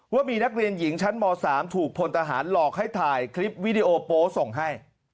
ว่ามีนักเรียนหญิงชั้นม๓ถูกพลทหารหลอกให้ถ่ายคลิปวิดีโอโป๊ส่งให้